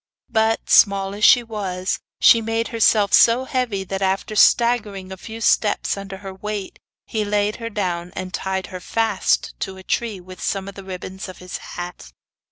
But, small as she was, she made herself so heavy that, after staggering a few steps under her weight, he laid her down, and tied her fast to a tree with some of the ribbons of his hat.